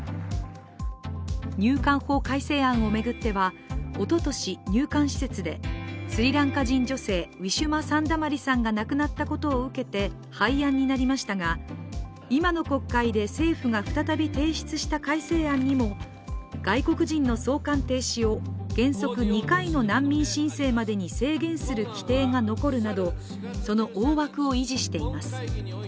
入管法改正案を巡ってはおととし入管施設でスリランカ人女性ウィシュマ・サンダマリさんが亡くなったことを受けて廃案になりましたが、今の国会で政府が再び提出した改正案にも外国人の送還停止を原則２回の難民申請までに制限する規定が残るなど、その大枠を維持しています。